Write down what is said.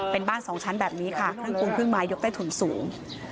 เป็นบ้านสองชั้นแบบนี้ค่ะทางกรุงพื้นไม้ยกใต้ถุนสูง